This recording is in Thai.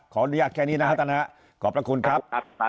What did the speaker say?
ขออนุญาตแค่นี้นะครับท่านนะฮะ